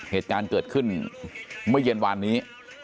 เหตุการณ์เกิดขึ้นเมื่อเย็นวานนี้